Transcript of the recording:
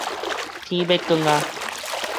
天欲光矣